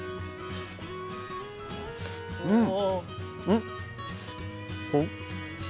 うん！